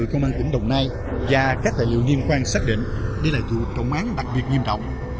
công an tỉnh đồng nai và các tài liệu nghiên khoan xác định đây là tù trọng án đặc biệt nghiêm trọng